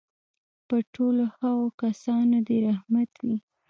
پر ټولو هغو کسانو دي رحمت وي.